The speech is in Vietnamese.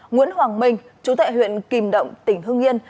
nguyễn hoàng minh chú tệ huyện kìm động tỉnh hương nghiên